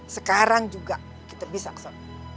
sekarang juga kita bisa kso